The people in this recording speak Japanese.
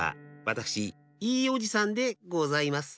わたくしいいおじさんでございます。